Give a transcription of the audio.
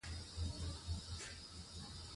ویاړنه د فخر او افتخار مانا لري.